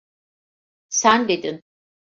Sen dedin.